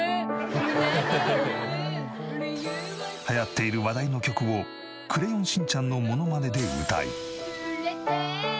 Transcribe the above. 流行っている話題の曲をクレヨンしんちゃんのモノマネで歌い。